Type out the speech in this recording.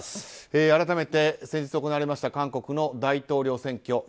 改めて、先日行われた韓国の大統領選挙。